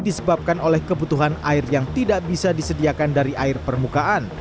disebabkan oleh kebutuhan air yang tidak bisa disediakan dari air permukaan